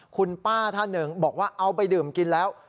คุณป้าท่านหนึ่งบอกว่าเอาไปดื่มกินแล้ว